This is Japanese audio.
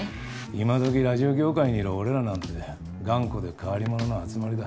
今どきラジオ業界にいる俺らなんて頑固で変わり者の集まりだ。